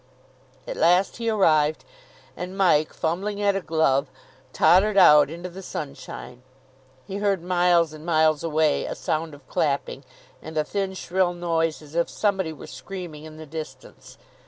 At last he arrived, and Mike, fumbling at a glove, tottered out into the sunshine. He heard miles and miles away a sound of clapping, and a thin, shrill noise as if somebody were screaming in the distance.